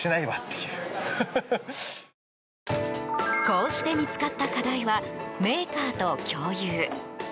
こうして見つかった課題はメーカーと共有。